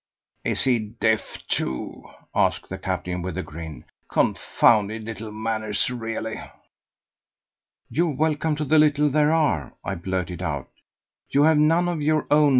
"Is he deaf too?" asked the captain with a grin. "Confounded little manners, really." "You're welcome to the little there are," I blurted out; "you have none of your own.